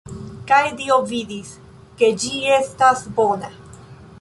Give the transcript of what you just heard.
Kaj Dio vidis, ke ĝi estas bona.